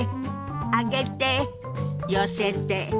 上げて寄せて。